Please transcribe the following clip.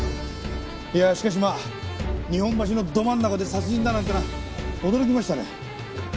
いやあしかしまあ日本橋のど真ん中で殺人だなんて驚きましたね。